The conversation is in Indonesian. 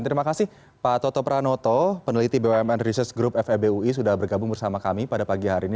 terima kasih pak toto pranoto peneliti bumn research group febui sudah bergabung bersama kami pada pagi hari ini